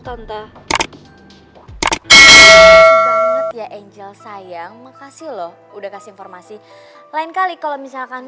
tante ya angel sayang makasih loh udah kasih informasi lain kali kalau misalkan kamu lagi